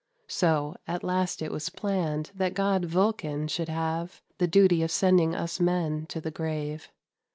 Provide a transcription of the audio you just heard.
So at last it was planned That god Vulcan should have The duty of sending us men to the grave.